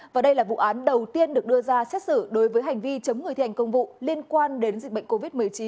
và đây là vụ án đầu tiên được đưa ra xét xử đối với hành vi chống người thi hành công vụ liên quan đến dịch bệnh covid một mươi chín